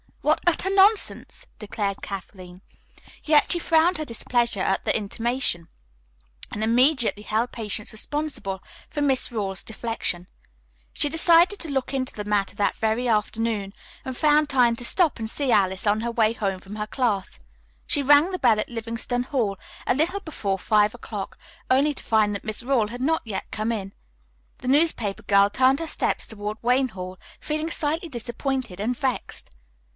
"What utter nonsense," declared Kathleen. Yet she frowned her displeasure at the intimation, and immediately held Patience responsible for Miss Rawle's deflection. She decided to look into the matter that very afternoon and found time to stop and see Alice on her way home from her class. She rang the bell at Livingston Hall a little before five o'clock, only to find that Miss Rawle had not yet come in. The newspaper girl turned her steps toward Wayne Hall, feeling slightly disappointed and vexed.